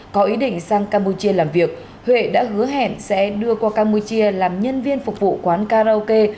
có ý định sang campuchia làm việc huệ đã hứa hẹn sẽ đưa qua campuchia làm nhân viên phục vụ quán karaoke